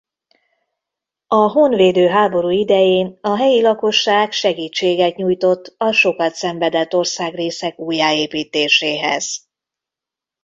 A honvédő háború idején a helyi lakosság segítséget nyújtott a sokat szenvedett országrészek újjáépítéséhez.